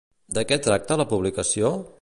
De què tracta la publicació?